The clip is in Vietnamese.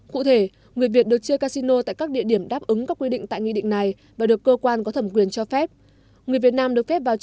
cụ thể người việt được chơi casino tại các địa điểm đáp ứng các quy định tại nghị định này và được cơ quan có thầm quyền cho phép